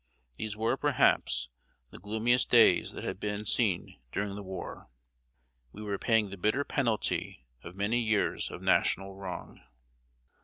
These were, perhaps, the gloomiest days that had been seen during the war. We were paying the bitter penalty of many years of National wrong.